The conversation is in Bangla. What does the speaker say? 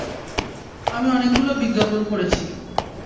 আমি অনেকগুলো বিজ্ঞাপন করেছি।